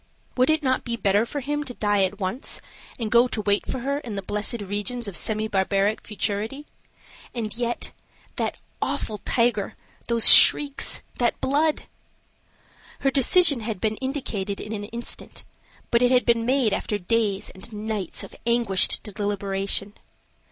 Would it not be better for him to die at once, and go to wait for her in the blessed regions of semi barbaric futurity? And yet, that awful tiger, those shrieks, that blood! Her decision had been indicated in an instant, but it had been made after days and nights of anguished deliberation.